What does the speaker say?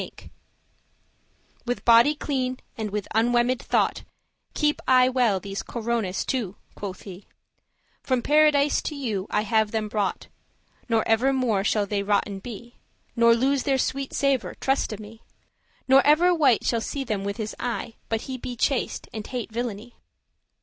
* *mate, husband "With body clean, and with unwemmed* thought, *unspotted, blameless Keep aye well these corones two," quoth he; "From Paradise to you I have them brought, Nor ever more shall they rotten be, Nor lose their sweet savour, truste me, Nor ever wight shall see them with his eye, But he be chaste, and hate villainy.